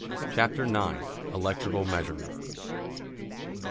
CHAPTER IX. ELECTRICAL MEASUREMENT.